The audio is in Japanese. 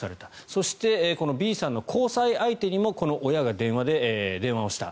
そして、Ｂさんの交際相手にも親が電話をした。